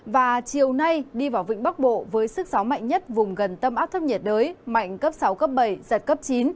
và chiều nay đi vào vịnh bắc bộ với sức gió mạnh nhất vùng gần tâm áp thấp nhiệt đới mạnh cấp sáu cấp bảy giật cấp chín